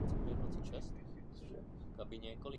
Vystudoval Průmyslovou školu elektrotechnickou v Nitře.